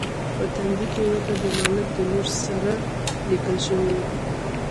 په تندي کې ورته د ملک د لور سره لیکل شوي و.